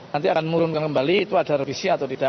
nanti akan murumkan kembali itu ada revisi atau tidak